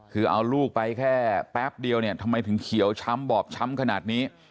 คือเอาลูกไปแค่แป๊บเดียวเนี่ยทำไมถึงเขียวช้ำบอบช้ำขนาดนี้